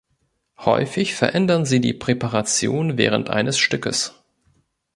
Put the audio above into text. Häufig verändern sie die Präparation während eines Stückes.